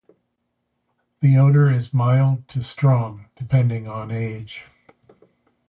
The odour is mild to strong, depending on age.